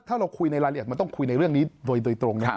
ถ้าเราคุยในรายละเอียดมันต้องคุยในเรื่องนี้โดยตรงนะ